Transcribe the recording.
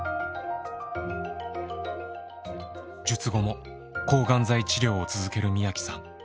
術後も抗がん剤治療を続ける宮木さん。